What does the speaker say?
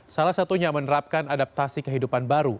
salah satunya menerapkan adaptasi kehidupan baru